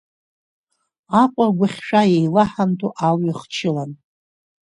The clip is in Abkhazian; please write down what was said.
Аҟәа агәахьшәа еилаҳанто алҩа хчылан.